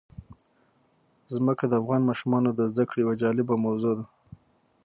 ځمکه د افغان ماشومانو د زده کړې یوه جالبه موضوع ده.